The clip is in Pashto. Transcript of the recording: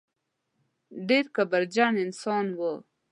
ډېر کبرجن انسان و.